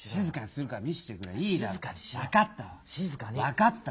分かった。